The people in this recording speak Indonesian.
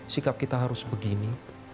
sikap kita harus begini